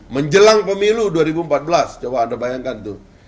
menjelang pemilu dua ribu empat belas coba anda bayangkan tuh